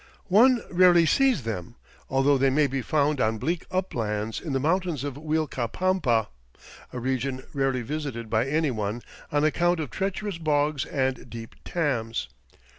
One rarely sees them, although they may be found on bleak uplands in the mountains of Uilcapampa, a region rarely visited by any one on account of treacherous bogs and deep tams.